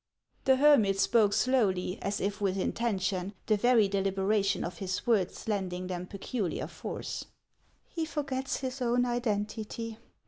The hermit spoke slowly, as if with intention, the very deliberation of his words lending them peculiar force. " He forgets his own identity